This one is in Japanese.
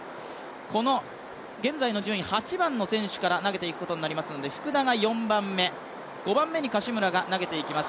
現在の順位８番の選手から投げていくことになりますので福田が４番目、５番目に柏村が投げていきます。